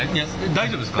大丈夫ですか？